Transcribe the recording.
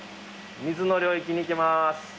水の領域にいきます。